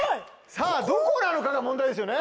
さぁどこなのかが問題ですよね。